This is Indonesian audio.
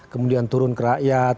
kemudian turun ke rakyat